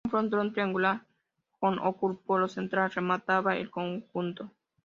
Un frontón triangular con óculo central remataba el conjunto.